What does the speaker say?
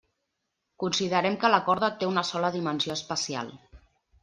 Considerem que la corda té una sola dimensió espacial.